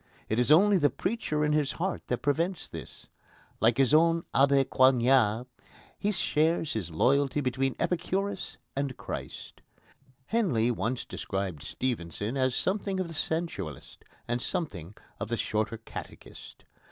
It is only the preacher in his heart that prevents this. Like his own Abbé Coignard, he shares his loyalty between Epicurus and Christ. Henley once described Stevenson as something of the sensualist, and something of the Shorter Catechist.